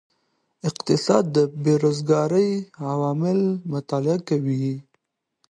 اقتصاد د بیروزګارۍ عوامل مطالعه کوي.